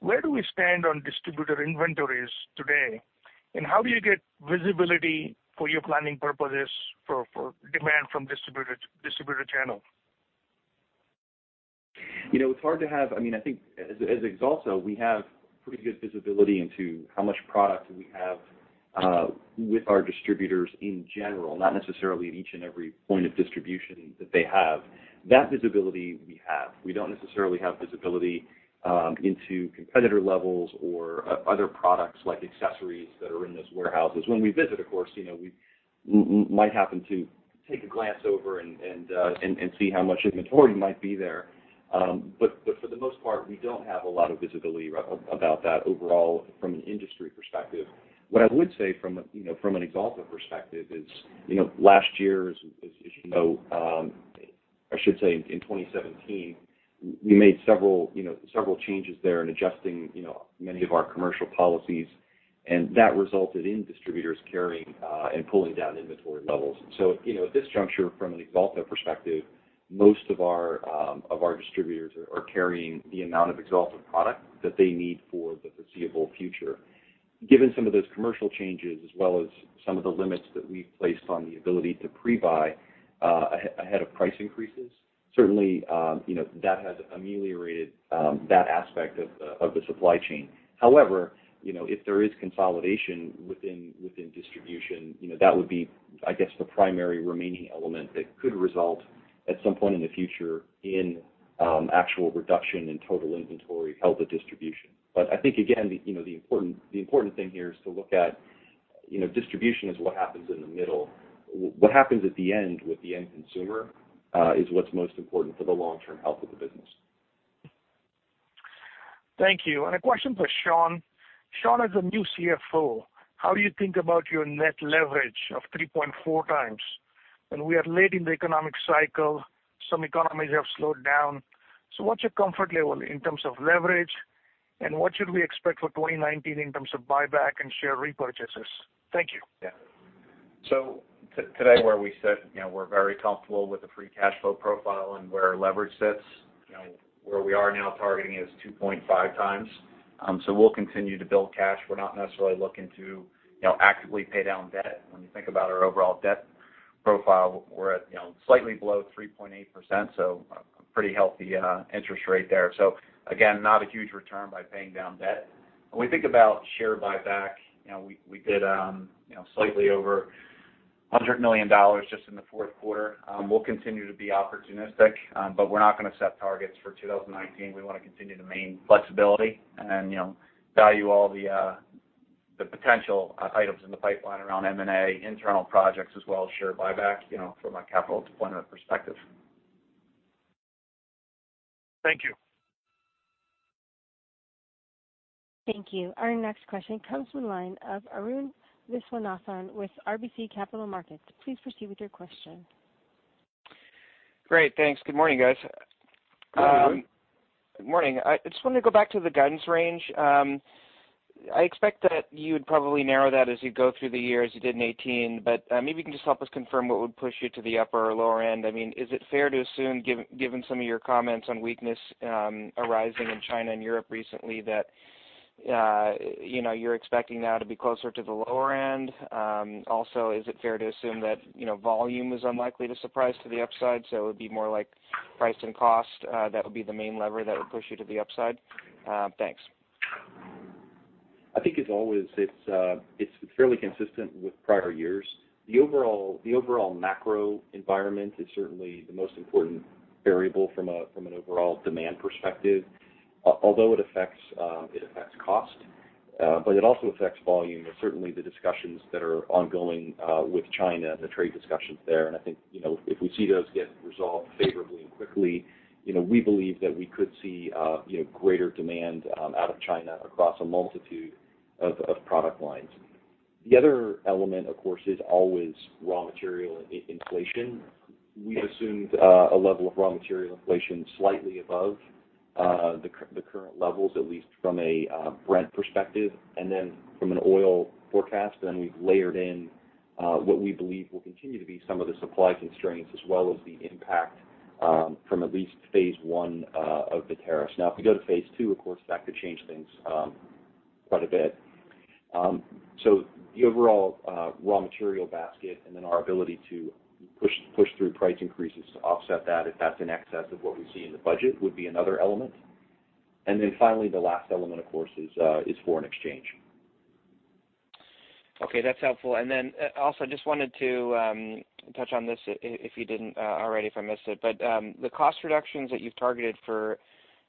Where do we stand on distributor inventories today? How do you get visibility for your planning purposes for demand from distributor channel? It's hard to have. I think, as Axalta, we have pretty good visibility into how much product we have with our distributors in general, not necessarily at each and every point of distribution that they have. That visibility we have. We don't necessarily have visibility into competitor levels or other products like accessories that are in those warehouses. When we visit, of course, we might happen to take a glance over and see how much inventory might be there. For the most part, we don't have a lot of visibility about that overall from an industry perspective. I would say from an Axalta perspective is, last year, as you know, I should say in 2017, we made several changes there in adjusting many of our commercial policies, and that resulted in distributors carrying and pulling down inventory levels. At this juncture, from an Axalta perspective, most of our distributors are carrying the amount of Axalta product that they need for the foreseeable future. Given some of those commercial changes, as well as some of the limits that we've placed on the ability to pre-buy ahead of price increases, certainly that has ameliorated that aspect of the supply chain. However, if there is consolidation within distribution, that would be, I guess, the primary remaining element that could result at some point in the future in actual reduction in total inventory held at distribution. I think, again, the important thing here is to look at distribution. Distribution is what happens in the middle. What happens at the end with the end consumer is what's most important for the long-term health of the business. Thank you. A question for Sean. Sean, as a new CFO, how do you think about your net leverage of 3.4x? We are late in the economic cycle. Some economies have slowed down. What's your comfort level in terms of leverage, and what should we expect for 2019 in terms of buyback and share repurchases? Thank you. Today where we sit, we're very comfortable with the free cash flow profile and where our leverage sits. Where we are now targeting is 2.5x. We'll continue to build cash. We're not necessarily looking to actively pay down debt. When you think about our overall debt profile, we're at slightly below 3.8%, a pretty healthy interest rate there. Again, not a huge return by paying down debt. When we think about share buyback, we did slightly over $100 million just in the fourth quarter. We'll continue to be opportunistic, but we're not going to set targets for 2019. We want to continue to maintain flexibility and value all the potential items in the pipeline around M&A, internal projects as well as share buyback, from a capital deployment perspective. Thank you. Thank you. Our next question comes from the line of Arun Viswanathan with RBC Capital Markets. Please proceed with your question. Great. Thanks. Good morning, guys. Good morning. Good morning. I just wanted to go back to the guidance range. I expect that you would probably narrow that as you go through the year, as you did in 2018, but maybe you can just help us confirm what would push you to the upper or lower end. Is it fair to assume, given some of your comments on weakness arising in China and Europe recently, that you're expecting now to be closer to the lower end? Also, is it fair to assume that volume is unlikely to surprise to the upside, so it would be more like price and cost that would be the main lever that would push you to the upside? Thanks. I think as always, it's fairly consistent with prior years. The overall macro environment is certainly the most important variable from an overall demand perspective, although it affects cost, but it also affects volume. Certainly, the discussions that are ongoing with China and the trade discussions there, I think, if we see those get resolved favorably and quickly, we believe that we could see greater demand out of China across a multitude of product lines. The other element, of course, is always raw material inflation. We assumed a level of raw material inflation slightly above the current levels, at least from a rent perspective, and then from an oil forecast. We've layered in what we believe will continue to be some of the supply constraints, as well as the impact from at least phase 1 of the tariffs. If we go to phase 2, of course, that could change things quite a bit. The overall raw material basket, our ability to push through price increases to offset that, if that's in excess of what we see in the budget, would be another element. Finally, the last element, of course, is foreign exchange. Okay. That's helpful. Also, I just wanted to touch on this, if you didn't already, if I missed it, but the cost reductions that you've targeted for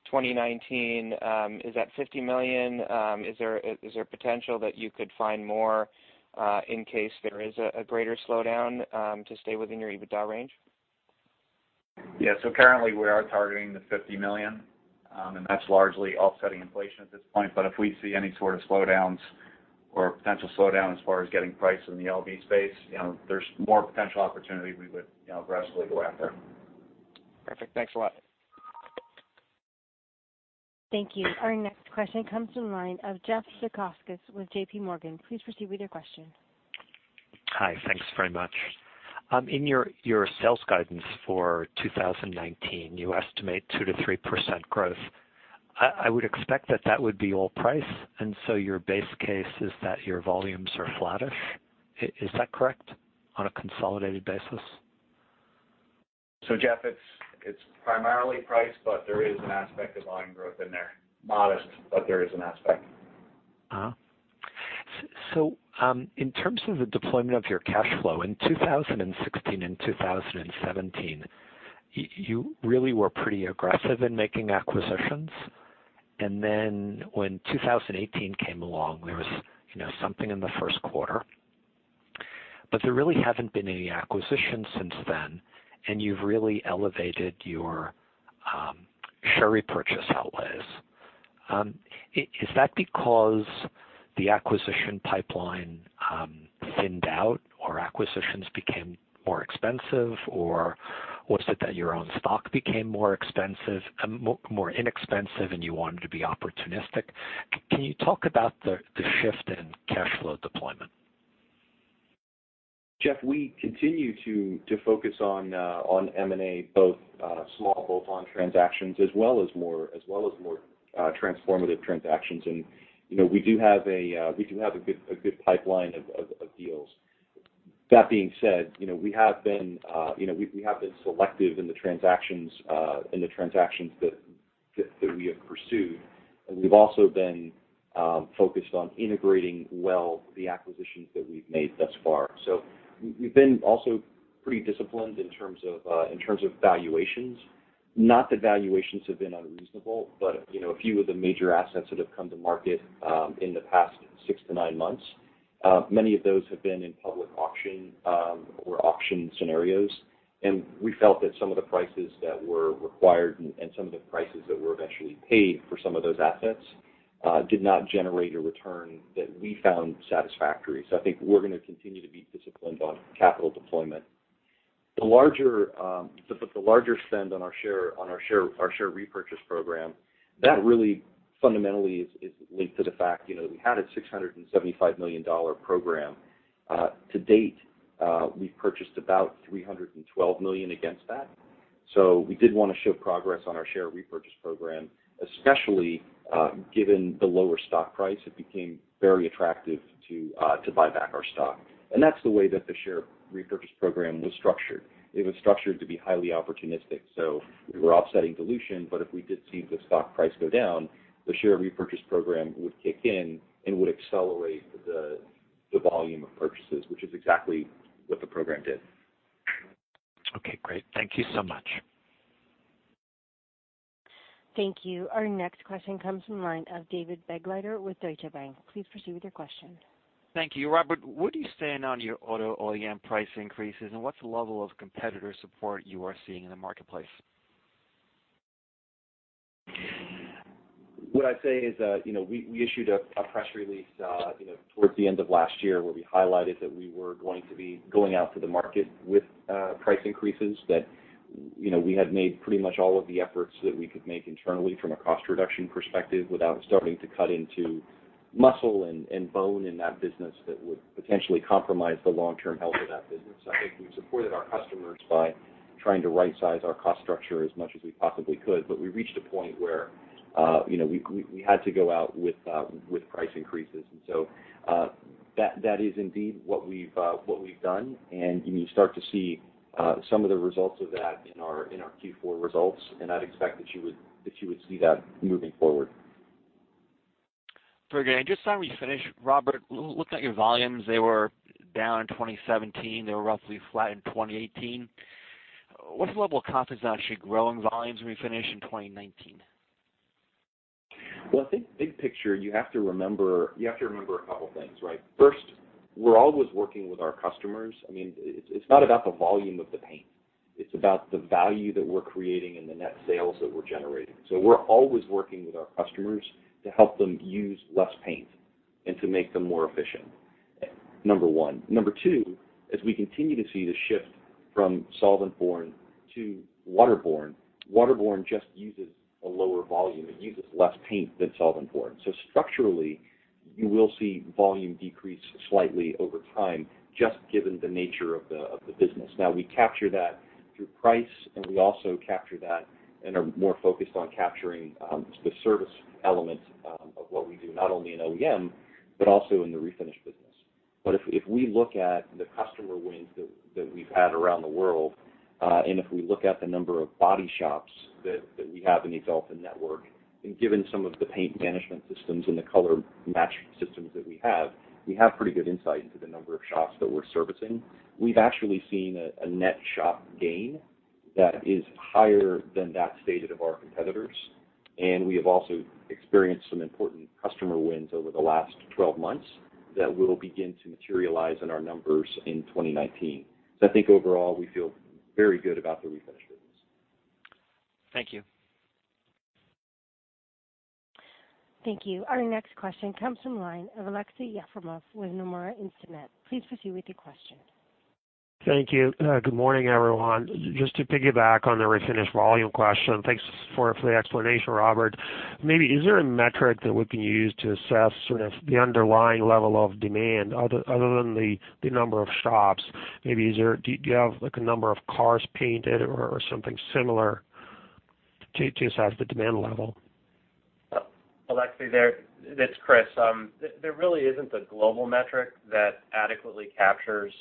2019, is that $50 million? Is there potential that you could find more, in case there is a greater slowdown, to stay within your EBITDA range? Yeah. Currently, we are targeting the $50 million. That's largely offsetting inflation at this point. If we see any sort of slowdowns or potential slowdown as far as getting price in the LV space, there's more potential opportunity we would aggressively go after. Perfect. Thanks a lot. Thank you. Our next question comes from the line of Jeff Zekauskas with JPMorgan. Please proceed with your question. Hi. Thanks very much. In your sales guidance for 2019, you estimate 2%-3% growth. I would expect that that would be all price. Your base case is that your volumes are flattish. Is that correct, on a consolidated basis? Jeff, it's primarily price, but there is an aspect of volume growth in there. Modest, but there is an aspect. In terms of the deployment of your cash flow, in 2016 and 2017, you really were pretty aggressive in making acquisitions. When 2018 came along, there was something in the first quarter. There really haven't been any acquisitions since then, and you've really elevated your share repurchase outlays. Is that because the acquisition pipeline thinned out, or acquisitions became more expensive, or was it that your own stock became more inexpensive, and you wanted to be opportunistic? Can you talk about the shift in cash flow deployment? Jeff, we continue to focus on M&A, both small bolt-on transactions as well as more transformative transactions. We do have a good pipeline of deals. That being said, we have been selective in the transactions that we have pursued, and we've also been focused on integrating well the acquisitions that we've made thus far. We've been also pretty disciplined in terms of valuations. Not that valuations have been unreasonable, but a few of the major assets that have come to market in the past six to nine months, many of those have been in public auction or auction scenarios. We felt that some of the prices that were required and some of the prices that were eventually paid for some of those assets did not generate a return that we found satisfactory. I think we're going to continue to be disciplined on capital deployment. The larger spend on our share repurchase program, that really fundamentally is linked to the fact, we had a $675 million program. To date, we've purchased about $312 million against that. We did want to show progress on our share repurchase program, especially given the lower stock price, it became very attractive to buy back our stock. That's the way that the share repurchase program was structured. It was structured to be highly opportunistic. We were offsetting dilution, but if we did see the stock price go down, the share repurchase program would kick in and would accelerate the volume of purchases, which is exactly what the program did. Okay, great. Thank you so much. Thank you. Our next question comes from the line of David Begleiter with Deutsche Bank. Please proceed with your question. Thank you. Robert, where do you stand on your auto OEM price increases, and what's the level of competitor support you are seeing in the marketplace? What I'd say is, we issued a press release towards the end of last year where we highlighted that we were going to be going out to the market with price increases. That we had made pretty much all of the efforts that we could make internally from a cost reduction perspective without starting to cut into muscle and bone in that business that would potentially compromise the long-term health of that business. I think we've supported our customers by trying to right-size our cost structure as much as we possibly could, but we reached a point where we had to go out with price increases. So, that is indeed what we've done, and you start to see some of the results of that in our Q4 results, and I'd expect that you would see that moving forward. Very good. Just on Refinish, Robert, looking at your volumes, they were down in 2017. They were roughly flat in 2018. What's the level of confidence on actually growing volumes in Refinish in 2019? I think big picture, you have to remember a couple things. First, we're always working with our customers. It's not about the volume of the paint, it's about the value that we're creating and the net sales that we're generating. We're always working with our customers to help them use less paint and to make them more efficient, number one. Number two, as we continue to see the shift from solvent-borne to water-borne, water-borne just uses a lower volume. It uses less paint than solvent-borne. Structurally, you will see volume decrease slightly over time, just given the nature of the business. We capture that through price, and we also capture that and are more focused on capturing the service element of what we do, not only in OEM, but also in the Refinish business. If we look at the customer wins that we've had around the world, and if we look at the number of body shops that we have in the Axalta network, and given some of the paint management systems and the color matching systems that we have, we have pretty good insight into the number of shops that we're servicing. We've actually seen a net shop gain that is higher than that stated of our competitors, and we have also experienced some important customer wins over the last 12 months that will begin to materialize in our numbers in 2019. I think overall, we feel very good about the Refinish business. Thank you. Thank you. Our next question comes from the line of Aleksey Yefremov with Nomura Instinet. Please proceed with your question. Thank you. Good morning, everyone. Just to piggyback on the Refinish volume question, thanks for the explanation, Robert. Is there a metric that we can use to assess sort of the underlying level of demand other than the number of shops? Do you have a number of cars painted or something similar to assess the demand level? Aleksey, this is Chris. There really isn't a global metric that adequately captures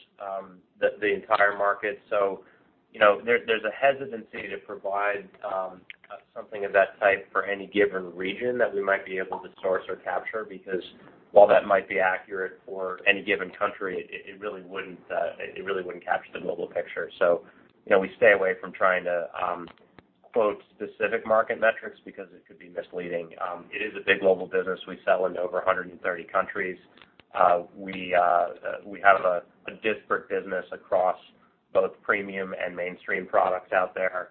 the entire market. There's a hesitancy to provide something of that type for any given region that we might be able to source or capture, because while that might be accurate for any given country, it really wouldn't capture the global picture. We stay away from trying to quote specific market metrics because it could be misleading. It is a big global business. We sell in over 130 countries. We have a disparate business across both premium and mainstream products out there.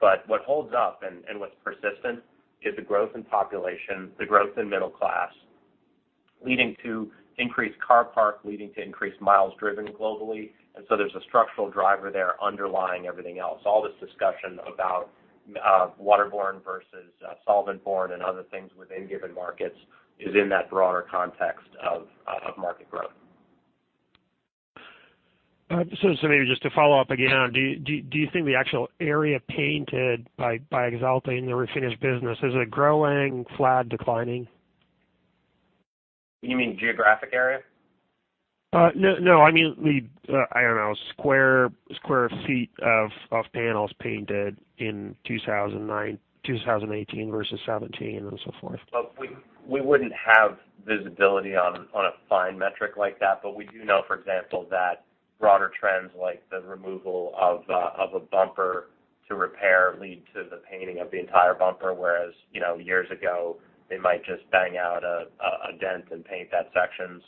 What holds up and what's persistent is the growth in population, the growth in middle class, leading to increased car park, leading to increased miles driven globally, and there's a structural driver there underlying everything else. All this discussion about water-borne versus solvent-borne and other things within given markets is in that broader context of market growth. Just to follow up again, do you think the actual area painted by Axalta in the Refinish business, is it growing, flat, declining? You mean geographic area? No. I mean the, I don't know, square feet of panels painted in 2018 versus 2017 and so forth. We wouldn't have visibility on a fine metric like that. We do know, for example, that broader trends like the removal of a bumper- To repair lead to the painting of the entire bumper, whereas, years ago, they might just bang out a dent and paint that section.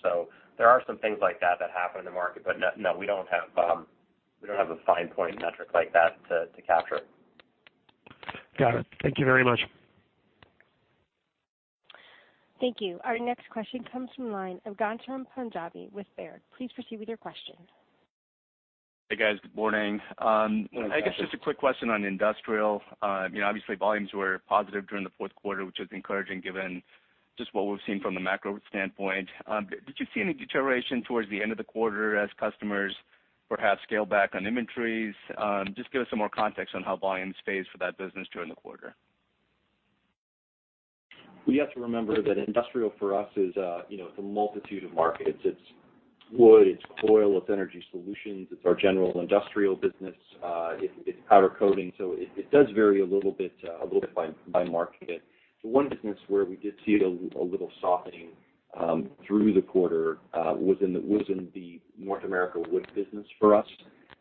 There are some things like that that happen in the market, but no, we don't have a fine point metric like that to capture. Got it. Thank you very much. Thank you. Our next question comes from the line of Ghansham Panjabi with Baird. Please proceed with your question. Hey, guys. Good morning. I guess just a quick question on Industrial. Obviously, volumes were positive during the fourth quarter, which was encouraging given just what we've seen from the macro standpoint. Did you see any deterioration towards the end of the quarter as customers perhaps scale back on inventories? Just give us some more context on how volumes phase for that business during the quarter. You have to remember that Industrial for us is a multitude of markets. It's wood, it's coil, it's energy solutions, it's our general Industrial business, it's Powder Coatings. It does vary a little bit by market. The one business where we did see a little softening through the quarter was in the North America wood business for us.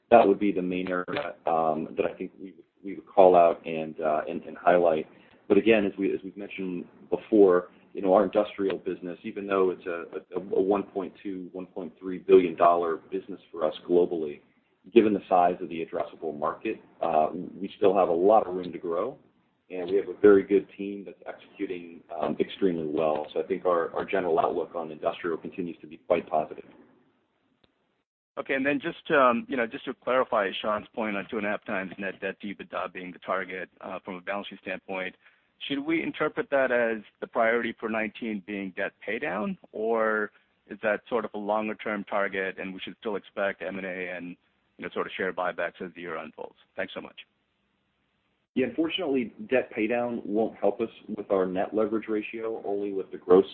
That would be the main area that I think we would call out and highlight. Again, as we've mentioned before, our Industrial business, even though it's a $1.2 billion, $1.3 billion business for us globally, given the size of the addressable market, we still have a lot of room to grow, and we have a very good team that's executing extremely well. I think our general outlook on Industrial continues to be quite positive. Okay, just to clarify Sean's point on 2.5x net debt to EBITDA being the target from a balancing standpoint, should we interpret that as the priority for 2019 being debt paydown? Or is that sort of a longer-term target, and we should still expect M&A and sort of share buybacks as the year unfolds? Thanks so much. Yeah, unfortunately, debt paydown won't help us with our net leverage ratio, only with the gross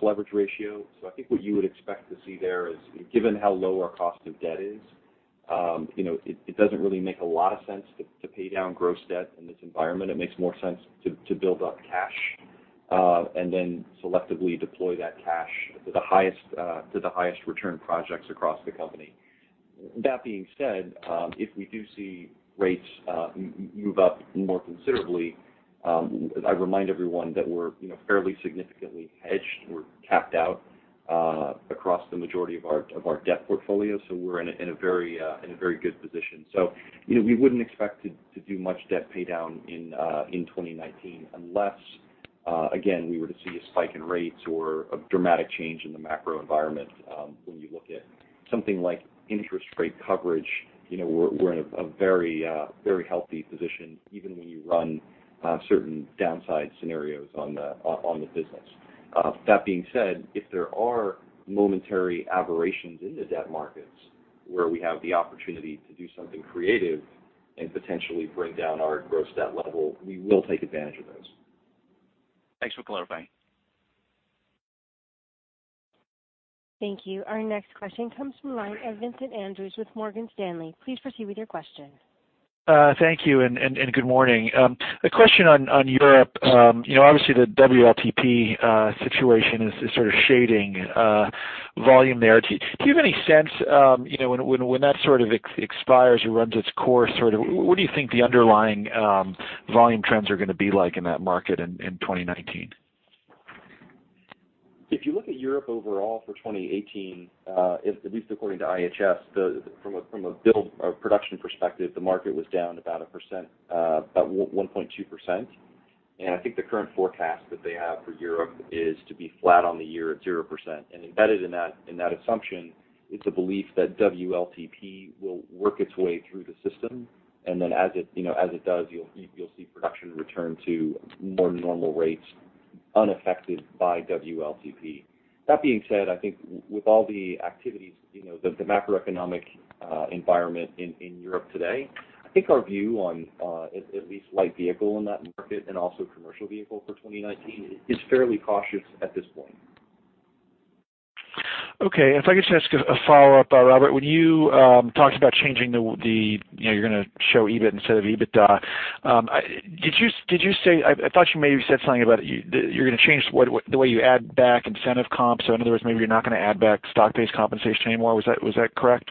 leverage ratio. I think what you would expect to see there is, given how low our cost of debt is, it doesn't really make a lot of sense to pay down gross debt in this environment. It makes more sense to build up cash, and then selectively deploy that cash to the highest return projects across the company. That being said, if we do see rates move up more considerably, I remind everyone that we're fairly significantly hedged. We're capped out across the majority of our debt portfolio, so we're in a very good position. We wouldn't expect to do much debt paydown in 2019 unless, again, we were to see a spike in rates or a dramatic change in the macro environment. When you look at something like interest rate coverage, we're in a very healthy position, even when you run certain downside scenarios on the business. That being said, if there are momentary aberrations in the debt markets where we have the opportunity to do something creative and potentially bring down our gross debt level, we will take advantage of those. Thanks for clarifying. Thank you. Our next question comes from the line of Vincent Andrews with Morgan Stanley. Please proceed with your question. Thank you. Good morning. A question on Europe. Obviously, the WLTP situation is sort of shading volume there. Do you have any sense, when that sort of expires or runs its course, what do you think the underlying volume trends are going to be like in that market in 2019? If you look at Europe overall for 2018, at least according to IHS, from a build or production perspective, the market was down about 1.2%. I think the current forecast that they have for Europe is to be flat on the year at 0%. Embedded in that assumption, it's a belief that WLTP will work its way through the system, and then as it does, you'll see production return to more normal rates unaffected by WLTP. That being said, I think with all the activities, the macroeconomic environment in Europe today, I think our view on at least Light Vehicle in that market and also Commercial Vehicle for 2019 is fairly cautious at this point. Okay. If I could just ask a follow-up, Robert. When you talked about you're going to show EBIT instead of EBITDA. I thought you maybe said something about you're going to change the way you add back incentive comps. In other words, maybe you're not going to add back stock-based compensation anymore. Was that correct?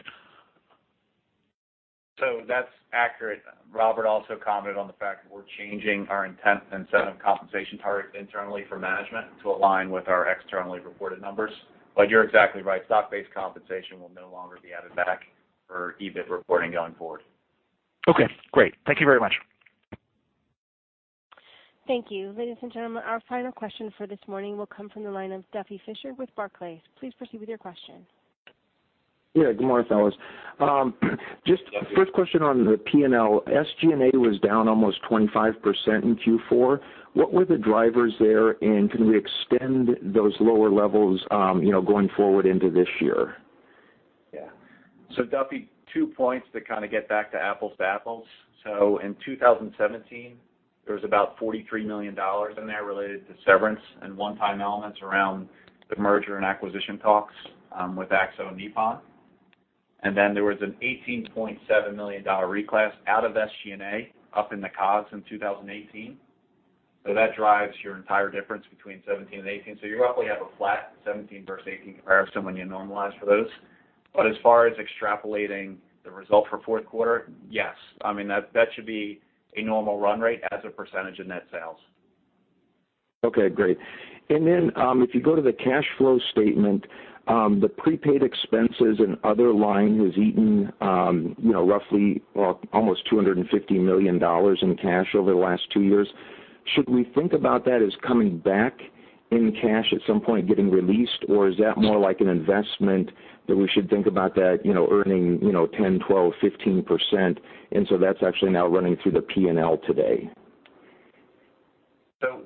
That's accurate. Robert also commented on the fact that we're changing our incentive compensation target internally for management to align with our externally reported numbers. You're exactly right. Stock-based compensation will no longer be added back for EBIT reporting going forward. Okay, great. Thank you very much. Thank you. Ladies and gentlemen, our final question for this morning will come from the line of Duffy Fischer with Barclays. Please proceed with your question. Yeah. Good morning, fellas. Just first question on the P&L. SG&A was down almost 25% in Q4. What were the drivers there, and can we extend those lower levels going forward into this year? Duffy, two points to kind of get back to apples to apples. In 2017, there was about $43 million in there related to severance and one-time elements around the merger and acquisition talks with Akzo and Nippon. Then there was an $18.7 million reclass out of SG&A up in the COGS in 2018. That drives your entire difference between 2017 and 2018. You roughly have a flat 2017 versus 2018 comparison when you normalize for those. As far as extrapolating the result for fourth quarter, yes. I mean, that should be a normal run rate as a percentage of net sales. Okay, great. Then if you go to the cash flow statement, the prepaid expenses and other line has eaten roughly almost $250 million in cash over the last two years. Should we think about that as coming back in cash at some point, getting released, or is that more like an investment that we should think about that earning 10%, 12%, 15%, that's actually now running through the P&L today?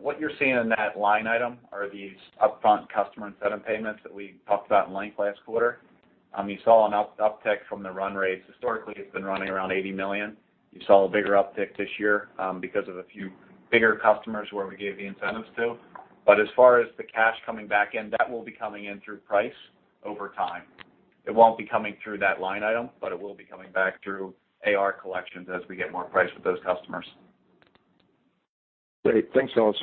What you're seeing in that line item are these upfront customer incentive payments that we talked about at length last quarter. You saw an uptick from the run rates. Historically, it's been running around $80 million. You saw a bigger uptick this year because of a few bigger customers where we gave the incentives to. As far as the cash coming back in, that will be coming in through price over time. It won't be coming through that line item, but it will be coming back through AR collections as we get more price with those customers. Great. Thanks, fellas.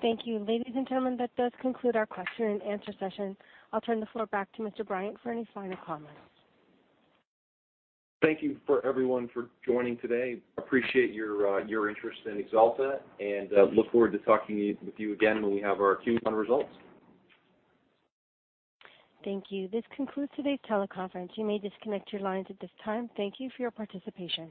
Thank you. Ladies and gentlemen, that does conclude our question and answer session. I'll turn the floor back to Mr. Bryant for any final comments. Thank you for everyone for joining today. Appreciate your interest in Axalta, and look forward to talking with you again when we have our Q1 results. Thank you. This concludes today's teleconference. You may disconnect your lines at this time. Thank you for your participation.